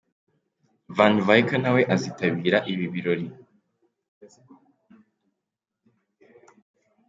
Van Vicker nawe azitabira ibi birori.